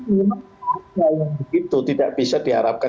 itu memang tidak bisa diharapkan